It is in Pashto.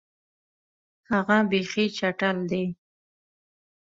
هغه بیخي چټل دی.